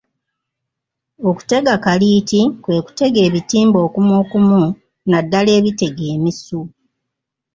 Okutega kaliiti kwe kutega ebitimba okumukumu naddala ebitega emisu.